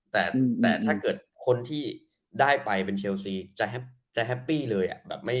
แต่ถ้าเกิดคนที่ได้ไปเป็นเชลซีจะแฮปปี้เลย